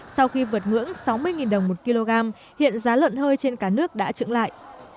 sau khi vượt ngưỡng sáu mươi đồng một kg hiện giá lợn hơi trên cả nước đã trưởng lại